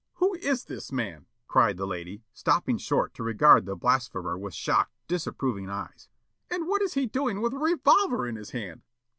Who is this man?" cried the lady, stopping short to regard the blasphemer with shocked, disapproving eyes. "And what is he doing with a revolver in his hand?"